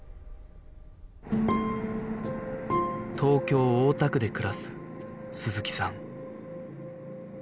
東京大田区で暮らす鈴木さん